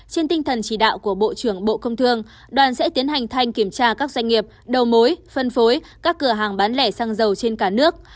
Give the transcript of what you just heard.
trên tinh thần chỉ đạo của bộ trưởng bộ công thương đoàn sẽ tiến hành thanh kiểm tra các doanh nghiệp đầu mối phân phối các cửa hàng bán lẻ xăng dầu trên cả nước